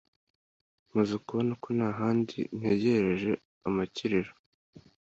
Maze kubona ko nta handi ntegereje amakiriro,